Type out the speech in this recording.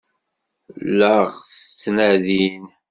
La ɣ-ttnadin?